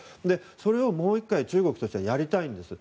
それをもう１回中国としてはやりたいんですよ。